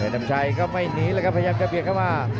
ดำชัยพยายามจะเปียนเข้ามา